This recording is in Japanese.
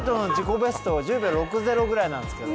ベスト１０秒６０ぐらいなんですけど